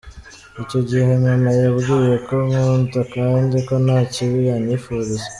Icyo gihe mama yambwiye ko ankunda kandi ko nta kibi yanyifuriza.